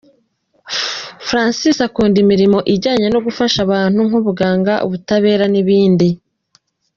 Francis akunda imirimo ijyanye no gufasha abantu nk’ubuganga, ubutabera n’ibindi.